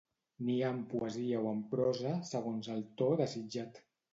N'hi ha en poesia o en prosa, segons el to desitjat.